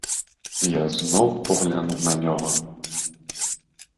Я знов поглянув на нього.